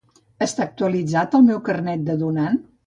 Està actualitzat el meu el carnet de donant?